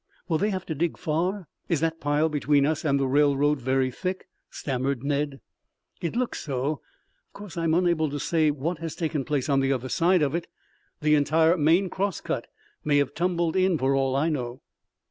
"Will they have to dig far is that pile between us and the railroad very thick?" stammered Ned. "It looks so. Of course I am unable to say what has taken place on the other side of it. The entire main cross cut may have tumbled in for all I know."